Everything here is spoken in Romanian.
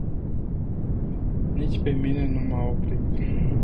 Nici pe mine nu m-a oprit.